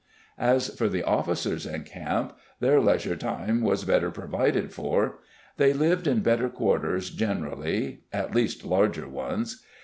As for the officers in camp, their leisure time was better provided for. They lived in better quarters, generally, at least larger ones.